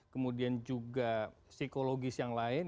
kemudian juga psikologis yang lain